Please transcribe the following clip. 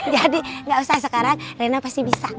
jadi nggak usah sekarang reina pasti bisa